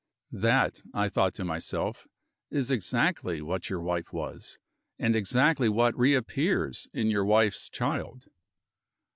("That," I thought to myself, "is exactly what your wife was and exactly what reappears in your wife's child.")